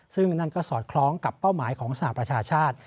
ซึ่งนั่นก็สอดคล้องกับเป้าหมายของสหประชาชาติ